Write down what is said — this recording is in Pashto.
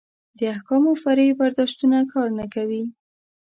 د احکامو فرعي برداشتونه کار نه کوي.